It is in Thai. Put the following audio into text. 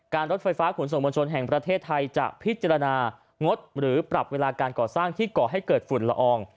รถไฟฟ้าขนส่งมวลชนแห่งประเทศไทยจะพิจารณางดหรือปรับเวลาการก่อสร้างที่ก่อให้เกิดฝุ่นละออง